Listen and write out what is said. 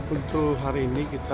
untuk hari ini kita